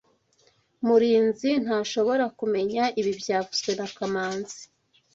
Murinzi ntashobora kumenya ibi byavuzwe na kamanzi